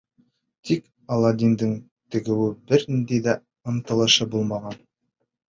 Тик Аладдиндың тегеүгә бер ниндәй ҙә ынтылышы булмаған.